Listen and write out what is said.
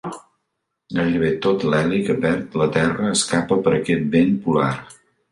Gairebé tot l'heli que perd la Terra escapa per aquest vent polar.